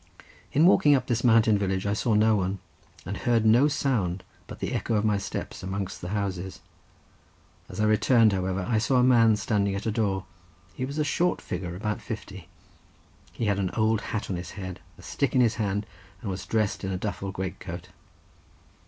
In walking up this mountain village I saw no one, and heard no sound but the echo of my steps amongst the houses. As I returned, however, I saw a man standing at a door—he was a short figure, about fifty. He had an old hat on his head, a stick in his hand, and was dressed in a duffel great coat.